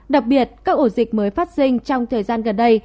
đặc biệt các ổ dịch mới phát sinh trong thời gian gần đây